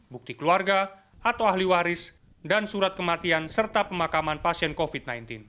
bukti keluarga atau ahli waris dan surat kematian serta pemakaman pasien covid sembilan belas